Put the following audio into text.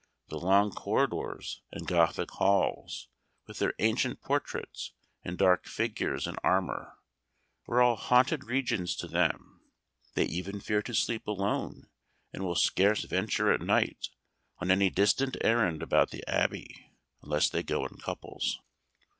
The long corridors and Gothic halls, with their ancient portraits and dark figures in armor, are all haunted regions to them; they even fear to sleep alone, and will scarce venture at night on any distant errand about the Abbey unless they go in couples.